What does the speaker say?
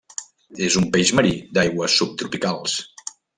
És un peix marí d'aigües subtropicals.